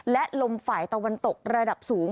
และลมฝ่ายตะวันตกระดับสูง